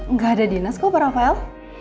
nggak ada dinas kok rafael